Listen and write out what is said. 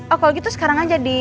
oh kalau gitu sekarang aja di